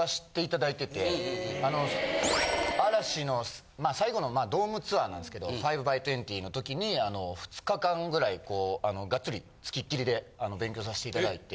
嵐の最後のドームツアーなんですけど『５×２０』の時にあの２日間ぐらいこうあのガッツリつきっきりで勉強させていただいて。